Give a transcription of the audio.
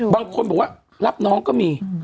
บางคนบอกว่ารับน้องก็มี